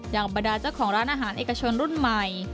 บรรดาเจ้าของร้านอาหารเอกชนรุ่นใหม่